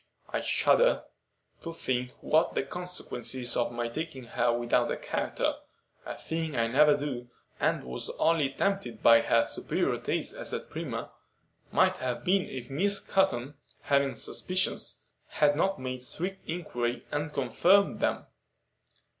I shudder to think what the consequences of my taking her without a character (a thing I never do, and was only tempted by her superior taste as a trimmer) might have been if Miss Cotton, having suspicions, had not made strict inquiry and confirmed them."